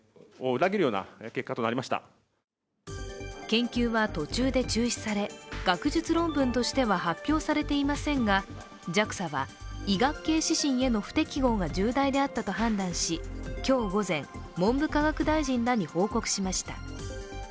研究は途中で中止され、学術論文としては発表されていませんが、ＪＡＸＡは、医学系指針への不適合が重大であったと判断し今日午前、文部科学大臣らに報告しました。